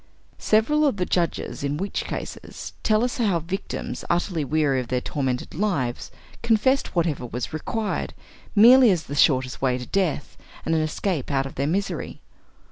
Several of the judges in witch cases tell us how victims, utterly weary of their tormented lives, confessed whatever was required, merely as the shortest way to death, and an escape out of their misery.